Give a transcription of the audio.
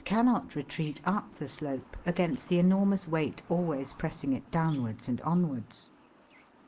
cannot retreat up the slope against the enormous weight always pressing it downwards and onwards.